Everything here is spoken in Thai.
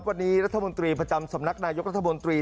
วันนี้รัฐมนตรีประจำสำนักนายกรัฐมนตรี